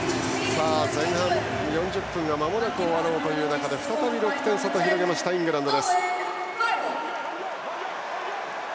前半４０分がまもなく終わる中で再び６点差と広げたイングランド。